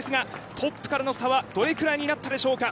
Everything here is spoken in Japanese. トップからの差はどれくらいになったでしょうか。